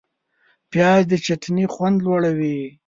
پیاز د چټني خوند لوړوي